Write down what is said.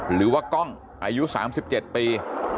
หรือว่ากล้องอายุสามสิบเจ็ดปี